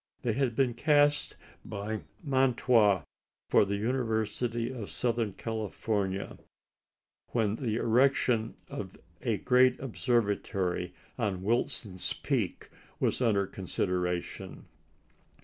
They had been cast by Mantois for the University of Southern California, when the erection of a great observatory on Wilson's Peak was under consideration.